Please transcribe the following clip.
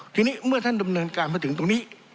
ทีนี้เมื่อท่านดำเนินการมาถึงตรงนี้